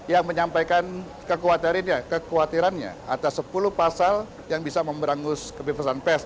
yang menyampaikan kekhawatirannya atas sepuluh pasal yang bisa memberangus kebebasan pes